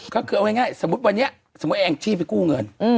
ก็คือเอาง่ายสมมุติวันนี้สมมุติแองจี้ไปกู้เงิน